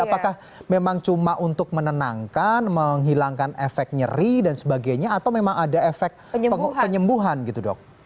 apakah memang cuma untuk menenangkan menghilangkan efek nyeri dan sebagainya atau memang ada efek penyembuhan gitu dok